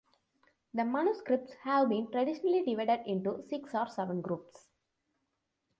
The manuscripts have been traditionally divided into six or seven groups.